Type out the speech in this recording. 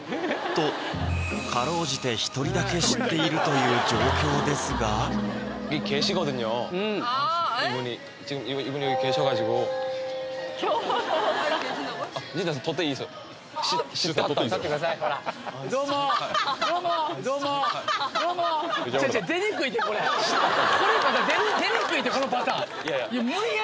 と辛うじて１人だけ知っているという状況ですがこれまだ出にくいってこのパターン！